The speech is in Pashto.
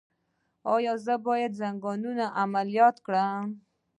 ایا زه باید د زنګون عملیات وکړم؟